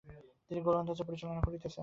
তিনি গোলন্দাজদের পরিচালনা করেছেন।